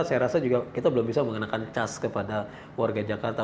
saya rasa juga kita belum bisa mengenakan cas kepada warga jakarta